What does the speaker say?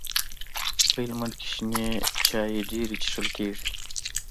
په هلمند کي شنې چاي ډيري چیښل کیږي.